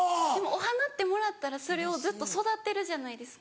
お花ってもらったらそれをずっと育てるじゃないですか。